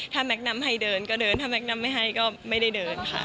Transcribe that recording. ถ้าแม็กนำให้เดินก็เดินถ้าแก๊นำไม่ให้ก็ไม่ได้เดินค่ะ